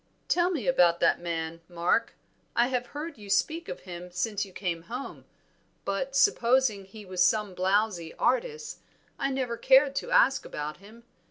"Tell me about that man, Mark. I have heard you speak of him since you came home, but supposing he was some blowzy artist, I never cared to ask about him.